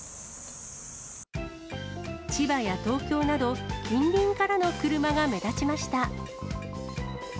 千葉や東京など、近隣からの車が目立ちました。